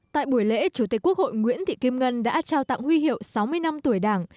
tại buổi lễ chủ tịch quốc hội nguyễn thị kim ngân đã trao tặng huy hiệu sáu mươi năm tuổi đảng